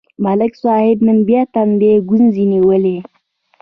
ملک صاحب نن بیا ټنډه ګونځې نیولې.